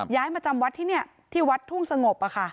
มาจำวัดที่นี่ที่วัดทุ่งสงบ